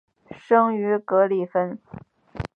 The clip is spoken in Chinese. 生于格里芬。